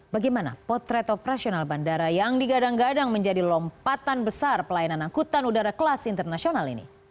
bagaimana potret operasional bandara yang digadang gadang menjadi lompatan besar pelayanan angkutan udara kelas internasional ini